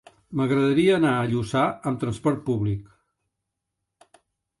M'agradaria anar a Lluçà amb trasport públic.